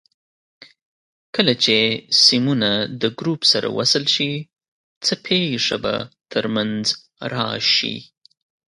کله چې سیمونه د ګروپ سره وصل شي څه پېښه به تر منځ راشي؟